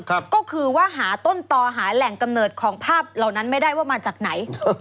ก็คือว่าหาต้นต่อหาแหล่งกำเนิดของภาพเหล่านั้นไม่ได้ว่ามาจากไหน